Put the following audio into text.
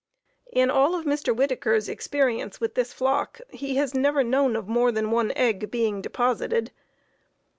In all of Mr. Whittaker's experience with this flock he has never known of more than one egg being deposited.